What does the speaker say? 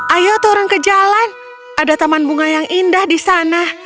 ayo turun ke jalan ada taman bunga yang indah di sana